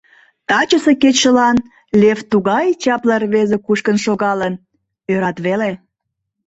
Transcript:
Тачысе кечылан Лев тугай чапле рвезе кушкын шогалын — ӧрат веле.